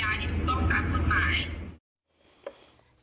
แล้วก็พยายามแสดงว่าเราเป็นภรรยาที่ต้องการคนใหม่